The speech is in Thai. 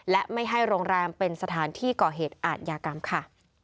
และไม่ให้โรงแรมเป็นสถานที่ก่อเหตุอาทยากรรมค่ะ